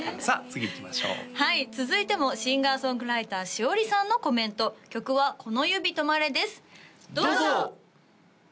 次いきましょうはい続いてもシンガー・ソングライター詩央里さんのコメント曲は「このゆびとまれ」ですどうぞ！